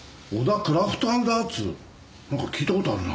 なんか聞いた事あるな。